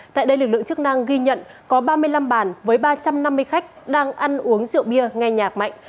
tại đây lực lượng chức năng ghi nhận có ba mươi năm bản với ba trăm năm mươi khách đang ăn uống rượu bia nghe nhạc mạnh